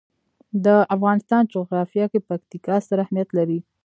د افغانستان جغرافیه کې پکتیکا ستر اهمیت لري.